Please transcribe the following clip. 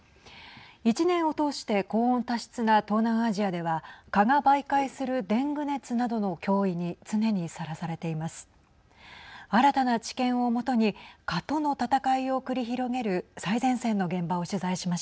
１年を通して高温多湿な東南アジアでは蚊が媒介するデング熱などの脅威に常にさらされています。